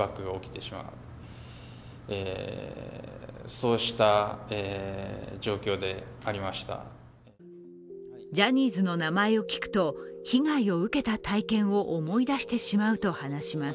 そして、発起人の二本樹さんはジャニーズの名前を聞くと、被害を受けた体験を思い出してしまうと話します。